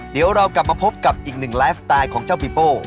เดี๋ยวเรากลับมาพบกับอีกหนึ่งไลฟ์สไตล์ของเจ้าปีโป้